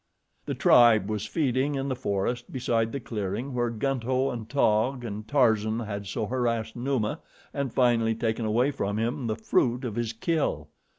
The tribe was feeding in the forest beside the clearing where Gunto, and Taug, and Tarzan had so harassed Numa and finally taken away from him the fruit of his kill.